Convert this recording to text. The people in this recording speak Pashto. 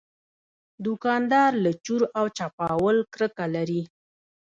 دوکاندار له چور او چپاول کرکه لري.